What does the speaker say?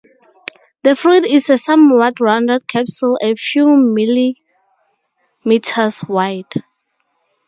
The fruit is a somewhat rounded capsule a few millimeters wide.